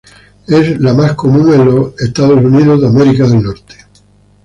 Es la más común en los Estados Unidos.